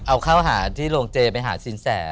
เอาเข้าหาที่โรงเจไปหาสินแส